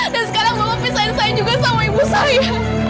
dan sekarang bapak pisahin saya juga sama ibu saya